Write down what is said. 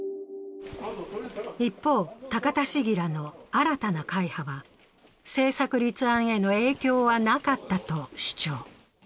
一方、高田市議らの新たな会派は政策立案への影響はなかったと主張。